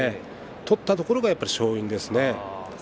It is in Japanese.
取ったところが勝因ですね。